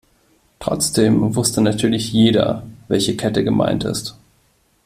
Trotzdem wusste natürlich jeder, welche Kette gemeint ist.